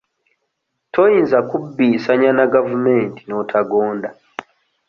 Toyinza kubbiisanya na gavumenti n'otagonda.